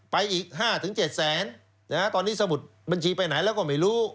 อีก๕๗แสนตอนนี้สมุดบัญชีไปไหนแล้วก็ไม่รู้